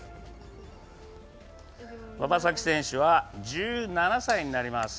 馬場咲希選手は１７歳になります。